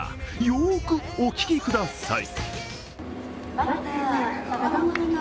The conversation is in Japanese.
よくお聞きください。